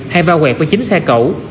hay vao quẹt với chính xe cẩu